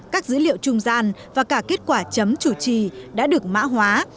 các dữ liệu trung gian và cả kết quả chấm chủ trì đã được mã hóa